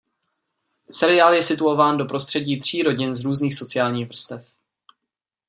Seriál je situován do prostředí tří rodin z různých sociálních vrstev.